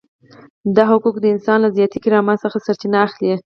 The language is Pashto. دا حقوق د انسان له ذاتي کرامت څخه سرچینه اخلي.